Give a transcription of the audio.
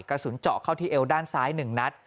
กระสุนเจาะเข้าที่เอวด้านซ้าย๑นัด